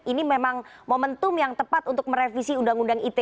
ini memang momentum yang tepat untuk merevisi undang undang ite